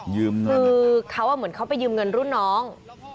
คือเขาเหมือนเขาไปยืมเงินรุ่นน้อง